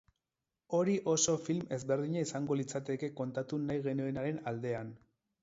Hori oso film ezberdina izango litzateke kontatu nahi genuenaren aldean.